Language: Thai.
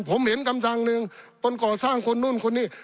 ผมเห็นกำทางหนึ่งคนก่อสร้างคนนู่นคนนี้